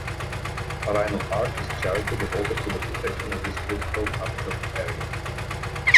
Rhino Ark is a charity devoted to the protection of this critical habitat area.